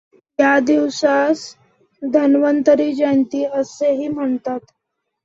या दिवसास धन्वंतरी जयंती असेही म्हणतात.